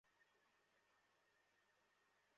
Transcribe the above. ভুনা মাছটির উপরও উক্ত প্রস্রবণ থেকে পানি পড়েছিল।